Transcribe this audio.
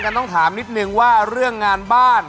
การตาถามหน่อยนิดนึงว่าเรื่องงานบ้าน